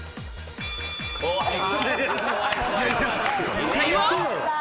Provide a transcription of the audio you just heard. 正解は。